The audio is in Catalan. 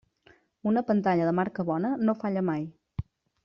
Una pantalla de marca bona no falla mai.